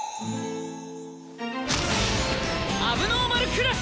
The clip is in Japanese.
問題児クラス！